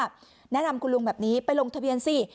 ก็บอกว่าแนะนำคุณลุงแบบนี้ไปลงทะเบียนสิ